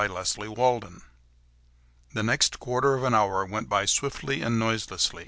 THE DEATH TRAP The next quarter of an hour went by swiftly and noiselessly.